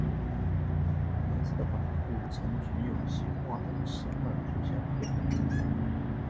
南寺的版库曾存有其画的十块佛像刻版。